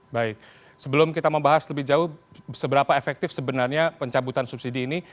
baik sebelum kita membahas lebih jauh seberapa efektif sebenarnya pencabutan subsidi ini